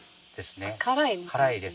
辛いです。